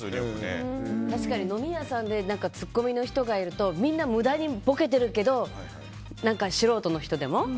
確かに飲み屋さんにツッコミの人がいるとみんな無駄にボケてるけど何か素人の人でも。